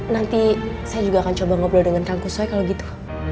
nanti saya juga akan coba ngobrol dengan tangkus saya kalau gitu